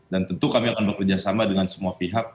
dan tentu kami akan bekerjasama dengan semua pihak